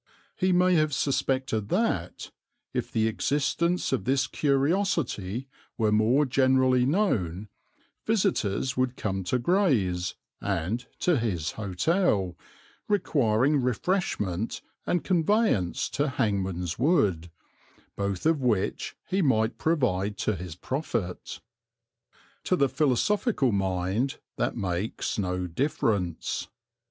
He may have suspected that, if the existence of this curiosity were more generally known, visitors would come to Grays, and to his hotel, requiring refreshment and conveyance to Hangman's Wood, both of which he might provide to his profit. To the philosophical mind that makes no difference.